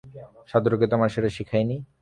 Satoru তোমাকে সেটা শেখায়নি?